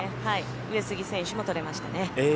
上杉選手も取れましたね。